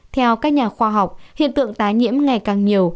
theo các nhà khoa học hiện tượng tái nhiễm ngày càng nhiều